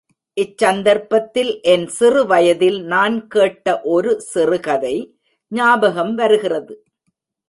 இச் சந்தர்ப்பத்தில் என் சிறு வயதில் நான் கேட்ட ஒரு சிறுகதை ஞாபகம் வருகிறது.